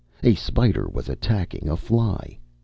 A spider was attacking a fly.